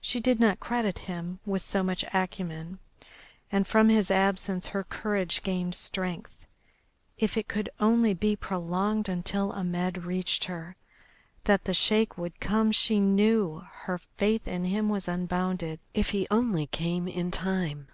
She did not credit him with so much acumen. And from his absence her courage gained strength. If it could only be prolonged until Ahmed reached her. That the Sheik would come she knew, her faith in him was unbounded. If he only came in time!